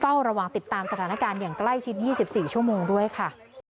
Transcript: เฝ้าระวังติดตามสถานการณ์อย่างใกล้ชิด๒๔ชั่วโมงด้วยค่ะ